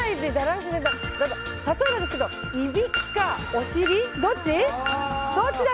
例えばですけどいびきかお尻。